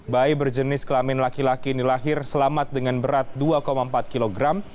bayi berjenis kelamin laki laki ini lahir selamat dengan berat dua empat kg